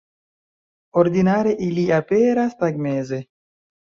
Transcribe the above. Ordinare ili aperas tagmeze.